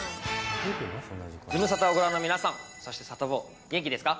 ズムサタをご覧の皆さん、そしてサタボー、元気ですか？